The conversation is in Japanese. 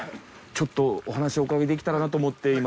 ちょっとお話をお伺いできたらと思って今。